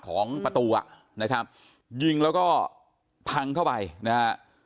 ของประตูอ่ะนะครับยิงแล้วก็พังเข้าไปนะฮะ